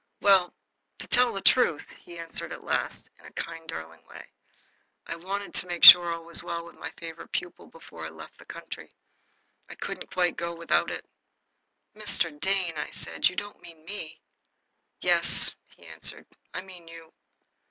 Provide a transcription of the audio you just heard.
"Well, to tell the truth," he answered, at last, in a kind, darling way, "I wanted to make sure all was well with my favorite pupil before I left the country. I couldn't quite go without it." "Mr. Dane," I said, "you don't mean me?" "Yes," he answered, "I mean you."